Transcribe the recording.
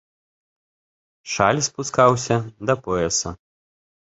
Шаль спускаўся да пояса.